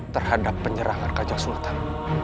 terhadap penyerangan kanjang sultan